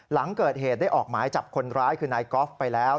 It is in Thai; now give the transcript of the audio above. หลังเกิดเหตุได้ออกหมายจับคนร้ายคือนายกอล์ฟไปแล้ว